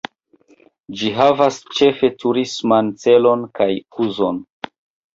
Ĝi havas ĉefe turisman celon kaj uzon.